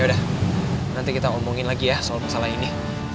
udah nanti kita omongin lagi ya soal masalah ini